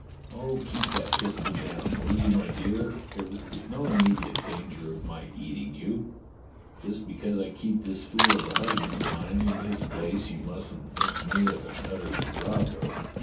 "Oh, keep that pistol down, will you, my dear? for there is no immediate danger of my eating you. Just because I keep this fool of a husband of mine in his place, you mustn't think me an utter virago."